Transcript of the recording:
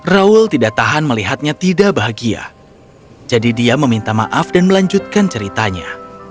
raul tidak tahan melihatnya tidak bahagia jadi dia meminta maaf dan melanjutkan ceritanya